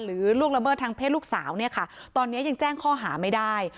ล่วงละเมิดทางเพศลูกสาวเนี่ยค่ะตอนนี้ยังแจ้งข้อหาไม่ได้